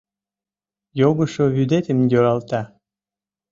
Йогышо вӱдетым йӧралта;